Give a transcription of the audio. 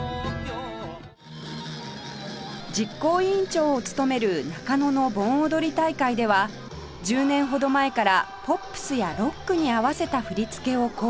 実行委員長を務める中野の盆踊り大会では１０年ほど前からポップスやロックに合わせた振り付けを考案